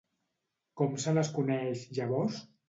Com se les coneix, llavors?